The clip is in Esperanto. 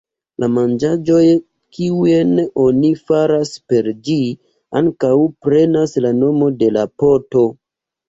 La manĝaĵoj kiujn oni faras per ĝi ankaŭ prenas la nomon de la poto.